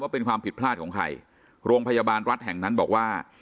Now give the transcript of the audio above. เป็นความผิดพลาดของใครโรงพยาบาลรัฐแห่งนั้นบอกว่า